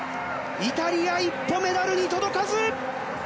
イタリア、一歩メダルに届かず。